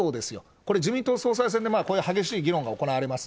これ、自民党総裁選でこういう激しい議論が行われます。